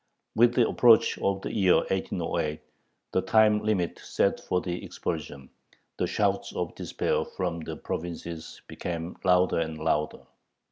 With the approach of the year 1808, the time limit set for the expulsion, the shouts of despair from the provinces became louder and louder.